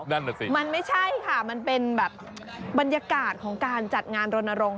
นั่นแหละสิมันไม่ใช่ค่ะมันเป็นแบบบรรยากาศของการจัดงานรณรงค